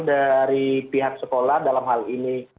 dari pihak sekolah dalam hal ini